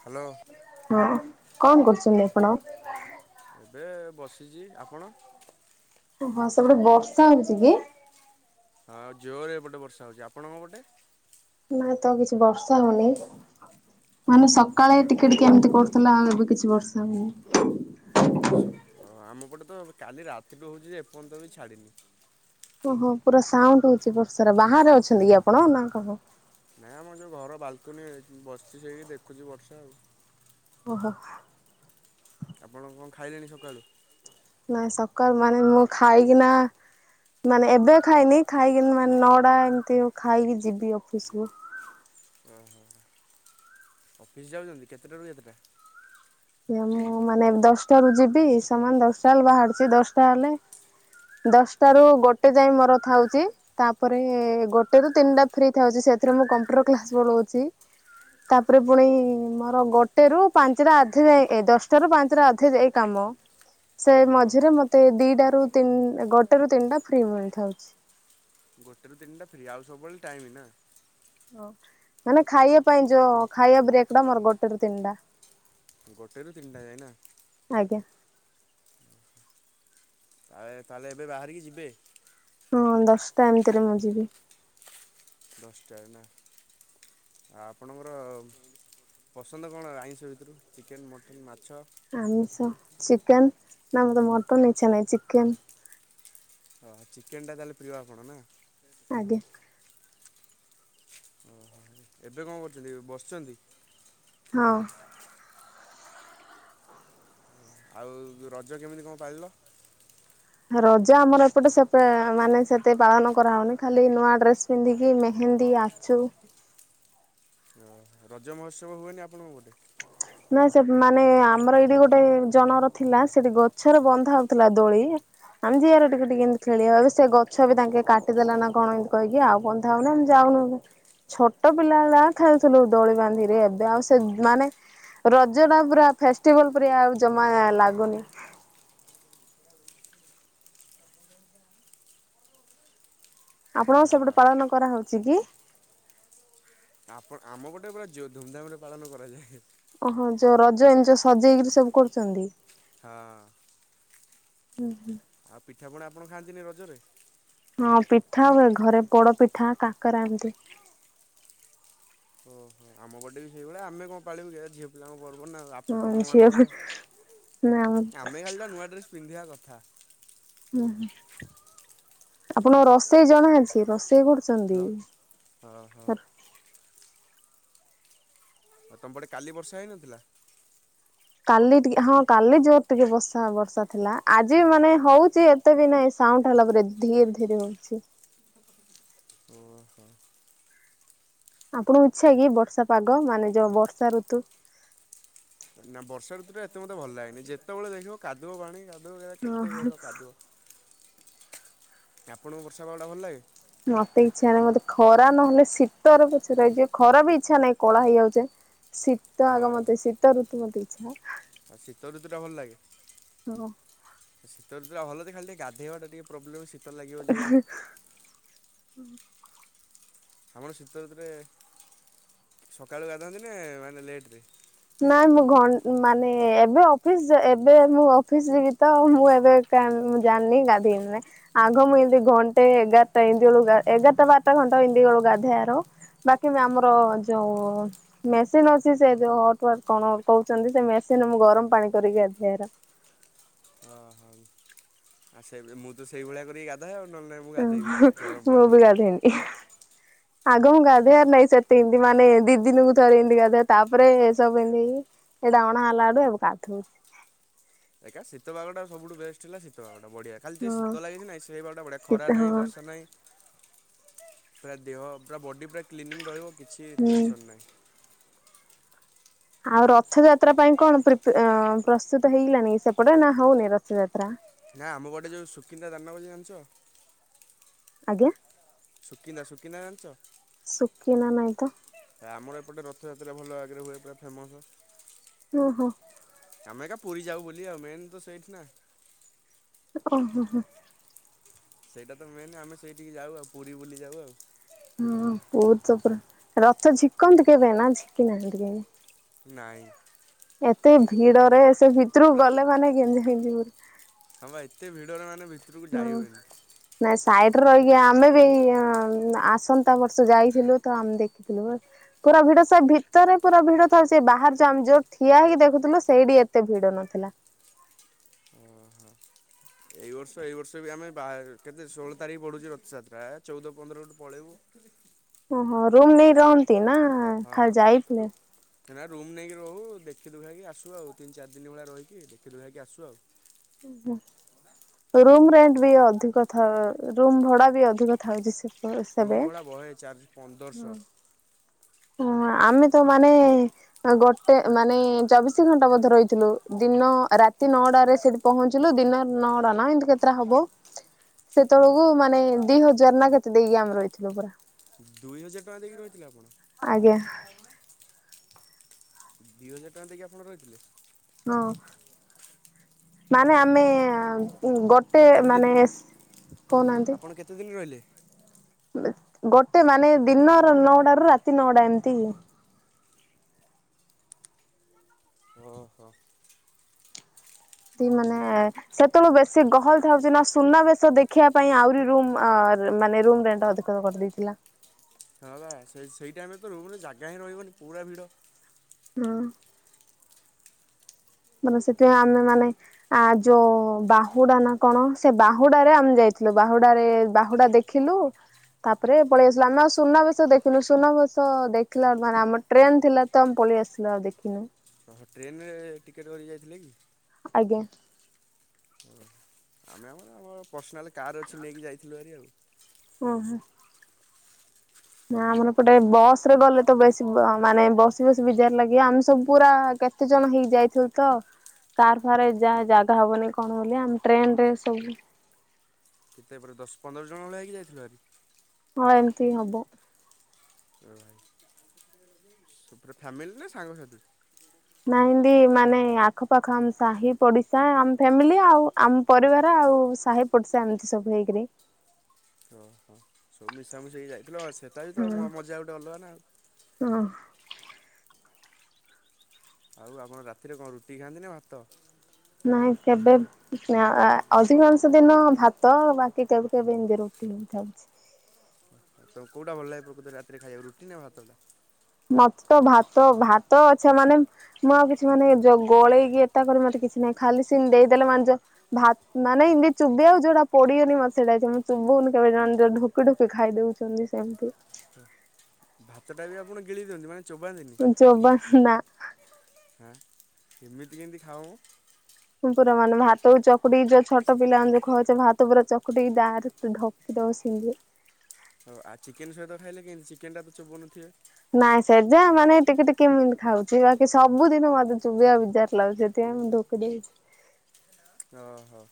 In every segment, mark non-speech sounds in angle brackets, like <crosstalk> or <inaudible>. Hello ହଁ କଣ ହଁ କରୁଛନ୍ତି ଆପଣ? ଏବେ ବସିଛି ଆପଣ? ଓ ହଁ ସେପଟେ ବର୍ଷା ହଉଛି କି? ହଁ ଆଉ ଜୋରରେ ଏପଟେ ବର୍ଷା ହେଉଛି ଆପଣଙ୍କ ପଟେ? ନାହିଁ ତ କିଛି ବର୍ଷା ହଉନି ମାନେ ସକାଳେ ଟିକେ ଟିକେ ଏମିତି କରୁଥିଲା ଆଉ ଏବେ କିଛି ବର୍ଷା ହଉନି ସ ଆମପଟେ ତ କାଲି ରାତିଠୁ ହଉଛି ଯେ ଏପର୍ଯ୍ୟନ୍ତ ବି ଛାଡ଼ିନି ଓହୋ ପୁରା ସାଉଣ୍ଡ ହଉଛି ବର୍ଷାରା ବାହାରେ ଅଛନ୍ତି କି ଆପଣ ନା କଣ? ନାହିଁ ଆମର ଯେଉଁ ଘର ବାଲକନି ବସିଛି ସେଇକି ଦେଖୁଛି ବର୍ଷା ଆଉ ଓହୋ ଆପଣ କଣ ଖାଇଲେଣି ସକାଳୁ? ନାଇଁ ସକାଳ ମାନେ ମୁଁ ଖାଇକି ନା ମାନେ ଏବେ ଖାଇନି ଖାଇକି ମାନେ ନଡା ଏମିତି ଖାଇକି ଯିବି ଅଫିସକୁୁ ଓହୋ ଅଫିସ୍ ଯାଉଛନ୍ତି କେତେଟାରୁ କେତେଟା ଆ ମୁଁ ମାନେ ଦଶଟାରୁୁ ଯିବି ସମାନ ଦଶଟା ହେଲେ ବାହାରୁଛି ଦଶଟା ହେଲେ ଦଶଟାରୁ ଗୋଟେ ଯାଏଁ ମୋର ଥାଉଛି। ତାପରେ ଗୋଟେ ରୁ ତିନିଟା ଫ୍ରି ଥାଉଛି ସେଥିରେ ମୁଁ କମ୍ପ୍ୟୁଟର କ୍ଲାସ ପଳଉଛି। ତାପରେ ପୁଣି ମୋର ଗୋଟେ ରୁ ପାଞ୍ଚଟା ଆ ଥିରେ ଏ ଦଶଟା ରୁ ପାଞ୍ଚଟା ଅଧ ଯାଏ କାମ ସେ ମଝିରେ ଓହୋ ମତେ ଦି <unintelligible> ରୁ ତି ଗୋଟେ ର ତିନିଟା ଫ୍ରି ମିଳିଥାଉଛି ଗୋଟେରୁ ତିନିଟା ଫ୍ରି ଆଉ ସବୁବେଳେ ଟାଇମ ନା ହ ମାନେ ଖାଇବା ପାଇଁ ଯୋଉ ଖାଇବା ବ୍ରେକ୍ଟା ମୋର ଗୋଟେ ରୁ ତିନିଟା। ଗୋଟେ ରୁ ତିନିଟା ଯାଏନା ଆଜ୍ଞା। ତା ତାହେଲେ ଏବେ ବାହାରିକି ଯିବେ। ହଁ ଦଶଟା ଏମିତିରେ ମୁଁ ଯିବି ଦଶଟାରେ ନା ଆ ଆପଣଙ୍କର ପସନ୍ଦ କଣ ଆଇଁଷ ଭିତରୁ ଚିକେନ ମଟନ ମାଛ? ଆମଷ ଚିକେନ ନା ମତେ ମଟନ ଇଚ୍ଛା ଚିକେନ ହଁ ଚିକେନ୍ ଟା ତାହେଲେ ପ୍ରିୟ ଆପଣ ନା ଆଜ୍ଞା। ଓହୋ ଏବେ କଣ କରୁଛନ୍ତି ବସିଛନ୍ତି? ହଁ। ଆଉଁ ରଜ କେମିତି କଁ ପାଳିଲ। ରଜ ଆମର ଏପଟେ ସେ ପେଁ ମାନେ ସେତେ ପାଳନ କରାହଉନି ଖାଲି ନୂଆ ଡ୍ରେସ୍ ପିନ୍ଧିକି ମେହେନ୍ଦୀ ଆଛୁ। ରଜ ମହୋତ୍ସବ ହୁଏନି ଆପଣଙ୍କ ପଟେ? ନା ସେ ମାନେ ଆମର ଏଇଠି ଗୋଟେ ଜଣର ଥିଲା। ସେଠି ଗଛରେ ବନ୍ଧା ହଉଥିଲା ଦୋଳି ଆମେ ଜିଆ ର ଟିକେ ଟିକେ ଏମତି ଖେଳି ଆକୁ ସେ ଗଛ ବି ତାଙ୍କେ କାଟିଦେଲା ନା କଣ ଏମତି କହିକି ଆଉ କଁ ଥାଉନା ଯାଉନୁ ଛୋଟ ପିଲା ବେଳା ଖେଳୁଥିଲୁ ଦୋଳି ବାନ୍ଧିରେ ଏବେ ଆଉ ସେ ମାନେ ରଜ ଟା ପୁରା ଫେଷ୍ଟିଭଲ ପରିଆ ଆଉ ଜମା ଲାଗୁନି। ଆପଣଙ୍କ ସେପଟେ ହଁ ପାଳନ କରାହଉଛି କି? ଆପଣ ଆମ ପଟେ ପୁରା ଜୋ ଧୁମଧାମରେ ପାଳନ କରାଯାଏ। ହେଁ ଓହୋଃ ଯଉ ରଜ ଏନ ଯୋଉ ସଜେଇ କିରି ସବୁ କରୁଛନ୍ତି। ହଁ। ହୁଃ ଆଉ ପିଠାପଣା ଆପଣ ଖାଆନ୍ତିନି ରଜରେ? ହଁ ପିଠା ହୁଏ ଘରେ ପୋଡ ପିଠା କାକେରା ଏମତି। ଓହୋ ଆମ ପଟେ ବି ସେଇଭଳିଆ ଆମେ କଁ ପାଳିବୁ କି ଏ ଝିଅ ପିଲାଙ୍କ ପର୍ବ ନା ଆଉ ଆପ ହଁ ଝିଅ ନା ତମମାନଙ୍କର ଆମେ ଖାଲିଯା ନୂଆ ଡ୍ରେସ୍ ପିନ୍ଧିଆ କଥା। ହୁଁ ହୁଁ ଆପଣ ରଷେଇ ଜଣା ଅଛି ରଷେଇ କରୁ ହାଲୋ ହଁ ହଁ। ହ ତମ ପଟେ କାଲି ବର୍ଷା ହେଇନଥିଲା। କାଲି ଟିକେ ହଁ କାଲି ଜୋର ଟିକେ ବର୍ଷା ବର୍ଷା ଥିଲା ଆଜିବି ମାନେ ହଉଚି ଏ ତେ ଦିନେ ସାଉଣ୍ଡ ଟା ହେଲା ପରେ ଧୀର ଧୀର ହଉଛି। ଓହୋ। ଆପଣଙ୍କୁ ଇଛା କି ବର୍ଷା ପାଗ ମାନେ ଯୋଉ ବର୍ଷା ଋତୁ ନା ବର୍ଷା ଋତୁଟା ଏତେ ମୋତେ ଭଲ ଲାଗେନି ଯେତେବଳେ ଦେଖିବ କାଦୁଅ ପାଣି କାଦୁଅ ଏରା ହଁ କେତେ କଇଲ କାଦୁଅ। ଆପଣଙ୍କୁ ବର୍ଷା ପାଗଟା ଭଲ ଲାଗେ? ମତେ ଇଚ୍ଛା ନାଇଁ ମତେ ଖରା ନହେଲେ ଶୀତରେ ପଛେ ରହିଯିବ ଖରା ବି ଇଚ୍ଛା ନାଇଁ କଳା ହେଇଯାଉଛେ। ଶୀତ ଆଗ ହଁ ମତେ ଶୀତ ଋତୁ ମତେ ଇଛା ଆଉ ଶୀତ ଋତୁଟା ଭଲ ଲାଗେ। ଅଁ। ଶୀତଋତୁ ଟା ଭଲଯେ ଖାଲି ଟିକେ ଗାଧେଇବା ଟା ଟିକେ ପ୍ରୋବ୍ଲେମ୍ ଶୀତ ଲାଗିବ ଜୋରେ। ଆପଣ ଶୀତ ଋତୁରେ ସକାଳୁ ଗାଧାନ୍ତି ନା ମାନେ ଲେଟ୍ ରେ। ନାଇଁ ମୁଁ ଘନ ମାନେ ଏବେ ଅଫିସ ଏବେ ମୁଁ ଅଫିସ ଯିବି ତ ମୁଁ ଏବେ କାଇଁ ମୁଁ ଜାନି ଗାଧେଇନି ନା। ଆଗ ମୁଁ ଏମତି ଘଣ୍ଟେ ଏଗାରଟା ଏନ୍ତି ବେଳୁକୁ ଗା ଏଗାରଟା ବାରଟା ଘଣ୍ଟ ଏନ୍ତି ବେଳୁକୁ ଗାଧେଆର। ବାକି ବ ଆମର ଯୋଉ ମେସିନ ଅଛି ସେ ଯୋଉ କୁଆଡେ କଣ କଉଚନ୍ତି ସେ ମେସିନ ମୁଁ ଗରମ ପାଣି କରିକି ଗାଧେଇ ଆର ହଁ ହଉ। ଆଉ ସେ ଭଳି ମୁଁ ତ ସେଇଳିଆ କରିକି ଗାଧାଏ ଆଉ ନହେଲେ ନାଇଁ ମୁଁ ଗାଧେଇବିନି ଗରମ ପାଣି ନ କଲେ। ଇଏଁ ହେ। ଆଗ ମୁଁ ଗାଧେଇ ଆର ନାଇଁ ସେ ତିନ ଦି ମାନେ ଏ ଦିଦିନକୁ ଥରେ ଏନ୍ତି ଗାଧାଏ ତାପରେ ଏ ସବୁ ଏମତି ସେଇଟା ଅଣା ହେଲାଠୁ ଏବେ ଗାଧଉଚି। ଏକା ଶୀତ ପାଗଟା ସବୁଠୁ ବେଷ୍ଟ ହେଲା ଶୀତ ପାଗଟା ବଢିଆ। ଖାଲି ଟିଏ ହଁ ଶୀତ ଲାଗେ ସିନା ସେଇ ପାଗ ଟା ବଢ଼ିଆ ଖରା ଶୀତ ହଁ ନାଇଁ ବର୍ଷା ନାଇଁ ପୁରା ଦେହ ପୁରା ବଡି ପୁରା କ୍ଲିନିଙ୍ଗ ରହିବ କିଛି ହୁଁ। ଟେନସନ ନାହିଁ। ଆଉ ରଥଯାତ୍ରା ପାଇଁ କଣ ପ୍ରିପ ଏଁ ଅଁ ପ୍ରସ୍ତୁତ ହେଇଗଲାଣି ସେପଟେ ନା ହଉନି ରଥଯାତ୍ରା। ନା ଆମ ପଟେ ଯୋଉ ସୁକିନ୍ଦା ଦାନଗଦି ଜାଣିଚ? ଆଜ୍ଞା। ସୁକିନ୍ଦା ସୁକିନ୍ଦା ଜାନଚ। ସୁକିନା ନାଇଁ ତ। ହେ ଆମର ଏପଟେ ରଥଯାତ୍ରା ଭଲ ଆଗରେ ହୁଏ ପୁରା ଫେମସ। ହଁ ହୋଁ। ଆମେ କ ପୁରୀ ଯାଉ ବୋଲି ଆଉ ମେନ ତ ସେଇଠି ନା। ଓହୋ ହୋ। ସେଇଟା ତ ମେନ୍ ଆମେ ସେଇଠିକି ଯାଉ ଆଉ ପୁରୀ ବୁଲି ଯାଉ ଆଉ। ହଁ ବହୁ ତ ପୁରା ରଥ ଝିକନ୍ତି କେବେ ନା ଝିକି ନାହାନ୍ତି କେମତି? ନାଇଁ। ଏତେ ଭିଡରେ ସେ ଭିତରକୁ ପୁରା ଗଲେ ମାନେ ଗେଞ୍ଜାଗେଞି ପରି ହଁ ବା ଏତ ଭିଡରେ ମାନେ ଭି ହଁ। ନାଇ ସାଇଡରେ ରହିକି ଆମେ ବି ଆସନ୍ତା ବର୍ଷ ଯାଇଥିଲୁ ତ ଆମେ ଦେଖିଥିଲୁ। ପୁରା ଭିଡ ସେ ଭିତରେ ପୁରା ଭିଡ ଥାଉ ସେ ବାହାର ଯ ଆମେ ଯୋଉ ଠିଆ ହେଇକି ଦେଖୁଥିଲୁ ସେଇଠି ଏତେ ଭିଡ ନଥିଲା। ଓ ହୋ। ଏଇ ବର୍ଷ ଏଇ ବର୍ଷ ବି ଆମେ ବା କେତେ ଷୋହଳ ତାରିଖ ପଢୁଛି ରଥଯାତ୍ରା ଆ ଚଉଦ ପନ୍ଦର ଆଡ଼ୁ ପଳେଇବୁ। ଓହୋ ରୁମ୍ ନେଇ ରହନ୍ତି ନା ହଁ ଖାଲି ଯାଇଥିଲେ? ତୁ ନା ରୁମ୍ ନେଇକି ରହୁ ଦେଖିୁଦୁଖାଇକି ଆସୁ ଆଉ ତିନି ଚାରି ଦିନ ଭଳିଆ ରହିକି ଦେଖି ଦୁଖାଇ ଆସୁ ଆଉ। ହୁଁ ହୁଁ। ରୁମ ରେଣ୍ଟ ବି ଅଧିକ ଥାଉ ରୁମ ଭଡା ବି ଅଧିକ ଥାଉଛି ସେ ସେବେ। ରୁମ୍ ଭଡ଼ା ବହେ ଚାର୍ଜ ପନ୍ଦରଶହ। ହ ଆମେ ତ ମାନେ ଗୋଟେ ମାନେ ଚବିଶି ଘଣ୍ଟା ବୋଧେ ରହିଥିଲୁ ଦିନ ରାତି ନଅଟାରେ ସେଠି ପହଞ୍ଚିଲୁ ଦିନ ନଅଟା ନା ଏମତି କେତଟା ହବ। ହଁ ସେତେବେଳକୁ ମାନେ ଦି ହଜାର ନା କେତେ ଦେଇକି ଆମେ ରହିଥିଲୁ ପୁରା। ଦୁଇ ହଜାର ଟଙ୍କା ଦେଇକି ରହିଥିଲେ ଆପଣ? ଆଜ୍ଞା ଦିଇ ହଜାର ଟଙ୍କା ଦେଇକି ଆପଣ ରହିଥିଲେ? ହଁ। ମାନେ ଓହୋ ଆମେ ଗୋଟେ କେତେ ମାନେ କହୁନାହାନ୍ତି? ଆପଣ କେତେ ଦିନ ରହିଲେ? ଗୋଟେ ମାନେ ଦିନର ନଅଟା ରୁ ରାତି ନଅଟା ଏମିତି। ଓହୋ। ତିକି ମାନେ ସେତେବେଳୁ ବେଶୀ ଗହଳି ଥାଉଛି ନା ସୁନାବେେଶ ଦେଖିବା ପାଇଁ ଆହୁରି ରୁମ୍ ଆ ମାନେ ରୁମ୍ ରେଣ୍ଟ ଟା ଅଧିକ। ସେତେବେଳେ କରିଦେଇଥିଲା। ହାଁ ସେଇ ସେଇ ଟାଇମେ ରେତ ରୁମ୍ ରେ ଜାଗା ହିଁ ରହିବନି ପୁରା ଭିଡ଼। ହଁ। ମାନେ ସେଠି ଆମେ ମାନେ ଆ ଯୋଉ ବାହୁଡା ନା କଣ ସେ ବାହୁଡାରେ ଆମେ ଯାଇଥିଲୁ ବାହୁଡାରେ ବାହୁଡା ଦେ ଖିଲୁ ତାପରେ ପଳେଇ ଆସିଲୁ ଆମେ ଆଉ ସୁନାବେଶ ଦେଖିନୁ ସୁନାବେଶ ଦେଖିଲା ମାନେ ଆମ ଟ୍ରେନ ଥିଲା ତ ଆମେ ପଳେଇ ଆସିଲୁ ଆଉ ଦେଖିନୁ। ଅହ ଟ୍ରେନରେ ଟିକେଟ୍ କରି ଯାଇଥିଲେ କି? ଆଜ୍ଞା। ଅହ ଆମେ ଆମର ଆମ ପର୍ସନାଲ କାର୍ ଅଛି ନେଇକି ଯାଇଥିଲୁ ଆରି ଆଉ। ହଁ ହଁ। ନା ଆମର ଏପଟେ ବସ ରେ ଗଲେ ତ ବେଶୀ ମାନେ ବସି ବସି ବିଜାର ଲାଗିବ ଆମେ ସବୁ ପୁରା କେ କେତେ ଜଣ ହେଇଯାଇଥିଲୁ ତ। କାର ଫାରରେ ଜା-ଜାଗା ହବନି କଣ ବୋଲି ଆମ ଟ୍ରେନରେ ସବୁ କେତେ ଏପଟେ ଦଶ ପନ୍ଦର ଜଣ ଭଳିଆ ହେକି ଯାଇଥିଲ ଆରି? ହଁ ଏମିତି ହବ। ଅହ। ପୁରା ଫ୍ୟାମିଲି ନା ସାଙ୍ଗସାଥି? ନାଇଁ ଏମିତି ମାନେ ଆଖ ପାାଖ ଆମ ସାହି ପଡିଶା ଆମ ଫ୍ୟାମିଲି ଆଉ ଆମ ପରିବାର ଆଉ ସାହି ପଡ଼ିସା ଏମିତି ସବୁ ହେଇକିରି। ଅ ହଁ ସବୁ ମିଶାମିଶି ହେଇକି ଯାଇଥିଲ ସେଟା ବି ତ ହଁ ମଜା ଗୋଟେ ଅଲଗା ନା ଆଉ। ହଁ। ଆଉ ଆପଣ ରାତିରେ କଣ ରୁଟି ଖାଆନ୍ତି ନା ଭାତ? ନାଇଁ କେବେ ଅ ଅଧିକାଂଶ ଦିନ ଭାତ ବାକି କେବେ କେବେ ଏମତି ରୋଟି ହିଁ ଖାଉଛି। ତମକୁ କୋଉଟା ଭଲ ଲାଗ ପ୍ରକୃତରେ ରାତିରେ ଖାଇବାକୁ ରୁଟି ନ ଭାତଟା? ମତେ ତ ଭାତ ଭାତ ଅଛି ମାନେ ମୁଁ ଆଉ କିଛି ମାନେ ଜ ଗୋଳେଇକି ଏତା କରି ମତେ କିଛି ନାହିଁ ଖାଲି ସିମତି ଦେଇଦେଲେ ମାନ ଯ ଭାତ୍ ମାନେ ଏମିତି ଚୁବେଇବାକୁ ଯୋଉଟା ପଡିିବନି ମତେ ସେଇଟା <unintelligible> ମୁଁ ଚୋବଉନି କେବେ <unintelligible> ଢୋକ୍ <unintelligible> ଡୋକେ ଖାଇଦଉଛନ୍ତି ସେମତି। ଭାତଟା ବି ଆପଣ ଗିଳି ଦିଅନ୍ତି ମାନେ ଚୋବାନ୍ତିନି? ମୁଁ ଚୋବା ନା। ହଁ ଏମିତି କେମିତି ଖାଉ ପୁରା ମାନେ ଭାତ ଚକୁଟିି ଯୋ ଛଟିଲାମାନେ ଦେଖୁାଉଛେ ଭାତ ପୁରା ଚକୁଟି ଡକ <unintelligible> ହଉ ଆଉ ଚିକେନ ସହିତ ଖାଇଲେ କେମିତି ଚିକେନ୍ ଟା ତ ଚୋବଉନଥିବେ? ନାଇଁ ସେଯା ମାନେ ଟିକେ ଟିକେ କେମିତି ଖାଉଛି ବାକି ସବୁଦିନ ମତେ ଚୁବିଆ ବିଜାର ଲାଗୁଛି ସେଥିପାଇଁ <unintelligible> ଓ ହୋ।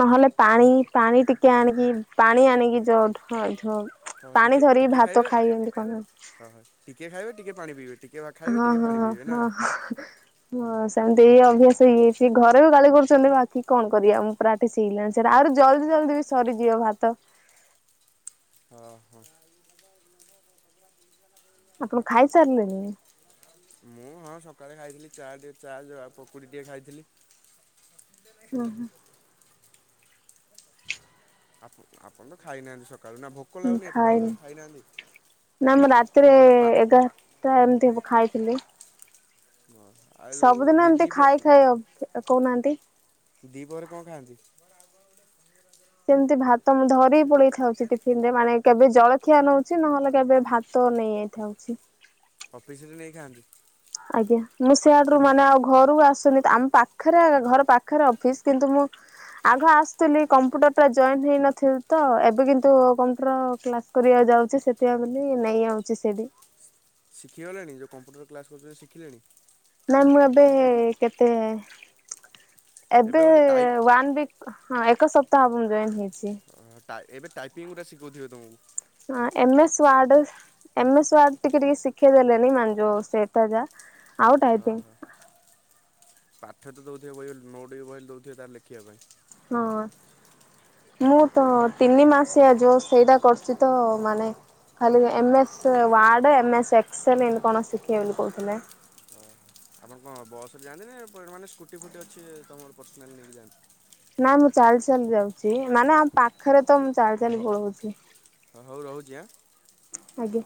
ନହେଲେ ପାଣି ପାଣି ଟିକେ ଆଣିକି ପାଣି ଆଣିକି ଯୋଉ ହଁ ହଁ ଟିକେ ପାଣି ଧରିକି ଟିକେ ଭାତ ଖାଇବେ ଖାଇ ଏନ୍ତି କଣ ହଁ ହଁ ଟିକେ ଖାଇବେ ଟିକେ ପାଣି ପିଇବେ ଟିକେ ଖାଇବେ ହଁ ଟିକେ ହଁ ପାଣି ପିଇବେ ନା। ହଁ। ହଁ ସେମିତି ଏଇ ଅଭ୍ୟାସ ଇଏ ହେଇଛି ଘରେ ବି ଗାଳି କରୁଛନ୍ତି ବାକି କଣ କରିବା ମୁଁ ପ୍ରା କ୍ଟିସ୍ ହେଇଗଲାଣି ସେଟା ଆ ଜଲଦି ଜଲଦି ବି ସରିଯିବ ଭାତ। ଓଁ ହୋ। ଆପଣ ଖାଇସାରିଲେଣି? ମୁଁ ହଁ ସକାଳେ ଖାଇଥିଲି ଚା ଟିକେ ଚା ଯଉ ପକୁଡ଼ି ଟିକେ ଖାଇଥିଲି ହୁଁ ହୁଁ। ଆପ ଆପଣ ତ ଖାଇନାହାନ୍ତି ସକାଳୁ ନା ଭୋ ହଁ ଖାଇଲି ନାମ ରାତିରେ ନଅଟା ପା ଏଗ ତ ଏମିତି ହବ ଖାଇଥିଲି। ହଁ। ସବୁଦିନ ଏମିତି ଖାଇ ଖାଇ ଆ କହୁନାହାନ୍ତି। ଦିପହରେ କଣ ଖାଆନ୍ତି? ସେମିତି ଭାତ ମୁ ଧରିକି ପଳେଇଥାଉଛି ଟିଫିନ ରେ ମାନେ କେବେ ଜଳଖିଆ ନଉଛି ନହେଲେ କେବେ ଭାତ ନେଇଯାଇଛି ଥାଉଛି। ଅଫିସରେ ନେଇଖାଆନ୍ତି? ଆଜ୍ଞା ମୁଁ ସେଆଡରୁ ମାନେ ଆଉ ଘରକୁ ଆସୁନି ଆମ ପାଖରେ ଘର ପାଖରେ ଅଫିସ୍ କିନ୍ତୁ ମୁଁ ଆଗ ଆସୁଥିଲି କମ୍ପୁଟର ଟା ଜଏନ୍ ହେଇନଥିଲି ତ ଏବେ କିନ୍ତୁ କମ୍ପୁଟର କ୍ଲାସ କରିବାକୁ ଯାଉଛି ସେଥିପାଇଁ ବୋଲି ନେଇ ଆଉଛି ସେଇଠି। ଶିଖିଗଲେଣି ଯୋଉ କମ୍ପ୍ୟୁଟର କ୍ଲାସ୍ କରୁଛନ୍ତି ଶିଖିଲେଣି? ନା ମୁଁ ଏବେ କେତେ ଏବେ ବୋଧେ ଟାଇପ୍ ୱାନ୍ ୱିକ୍ ହଁ ଏକ ସପ୍ତାହବ ମୁଁ ଜଏନ୍ ହେଇଛି। ଓ ଏବେ ଟାଇପିଙ୍ଗ ଗୁଡ଼ା ଶିଖଉଥିବେ ତମକୁ। ହଁ M S Word M S Word ଟିକେ ଟିକେ ଶିଖେଇ ଦେଲେଣି ମାନେ ଯୋଉ ଏତା ଯା ଆଉ ହଁ ଟାଇପିଂ ହଁ ପାଠ ତ ଦେଉଥିବେ ବହି ନୋଟ୍ ବହିିଲ ଦେଉଥିବ ତାର ଲେଖିବା ପାଇଁ। ହଁ। ମୁଁ ତ ତିନି ମାସିଆ ଯୋଉ ସେଇଟା କରୁଛି ତ ମାନେ ଖାଲି M S Word M S Excel ଏମିତି କଣ ଶିଖେଇବେ ବୋଲି କହୁଥିଲେ। ଓ ହୋ ଆପ କଣ ବସରେ ଯାଆନ୍ତି ନା ମାନେ ସ୍କୁଟି ଫୁଟି ଅଛି ତମର ପର୍ସନାଲି ନେଇକି ଯାଆନ୍ତି? ନାଇଁ ମୁଁ ଚାଲି ଚାଲି ଯାଉଛି ମାନେ ଆମ ପାଖରେ ତ ମୁଁ ଚାଲି ଚାଲି ପଳଉଛି। ହଁ ହଉ ରହୁଛି ଆଁ। ଆଜ୍ଞା।